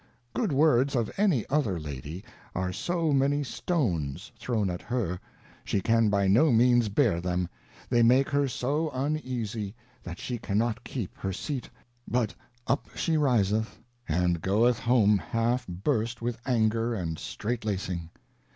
Good words of any other Lady, are so many Stones thrown at her, she can by no means bear them, they make her so uneasie, that she cannot keep her Seat, but up she riseth and goeth home half burst with Anger and Strait Lacing.